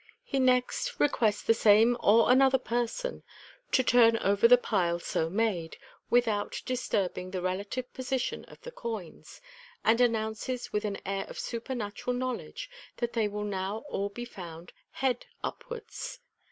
He next requests the same or another person to turn over the pile so made, without disturbing the relative position of the coins, and announces with an air of super natural knowledge that they will now all be found " nead " upwards.